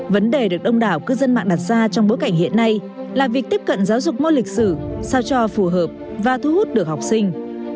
vấn đề được đông đảo cư dân mạng đặt ra trong bối cảnh hiện nay là việc tiếp cận giáo dục môn lịch sử sao cho phù hợp và thu hút được học sinh